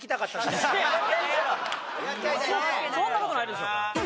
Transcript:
そんなことないでしょう